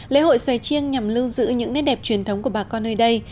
lễ hội xòe chiêng nhằm lưu giữ những nét đẹp truyền thống của bà con nơi đây